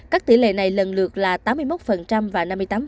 các tỷ lệ này lần lượt là tám mươi một và năm mươi tám